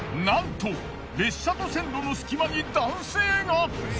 なんと列車と線路の隙間に男性が！